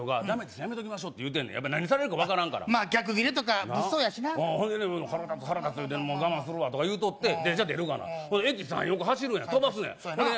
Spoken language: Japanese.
やめときましょうって言うてるねんやっぱ何されるか分からんからまあ逆ギレとか物騒やしなほんで腹立つ腹立つでも我慢するわとか言うとって電車出るがな駅３４個走るやん飛ばすねんほいでね